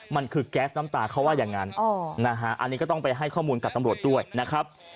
มันคือแก๊สน้ำตาเขาว่าอย่างนั้นอันนี้ก็ต้องไปให้ข้อมูลกับตำรวจด้วยนะครับ